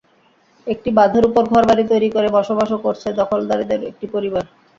একটি বাঁধের ওপর ঘরবাড়ি তৈরি করে বসবাসও করছে দখলকারীদের একটি পরিবার।